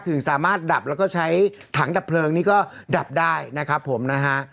ถึงสามารถดับแล้วก็ใช้ถังดับเพลิงนี่ก็ดับได้นะครับผมนะฮะ